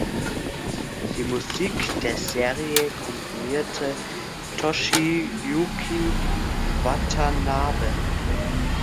Die Musik der Serie komponierte Toshiyuki Watanabe.